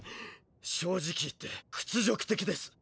正直言って屈辱的です！